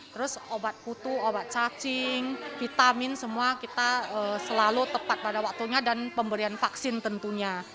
terus obat kutu obat cacing vitamin semua kita selalu tepat pada waktunya dan pemberian vaksin tentunya